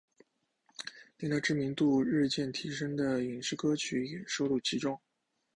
令她知名度日渐提升的影视歌曲也收录其中。